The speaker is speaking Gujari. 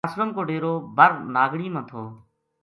اسلم کو ڈیرو بر ناگنی ما تھو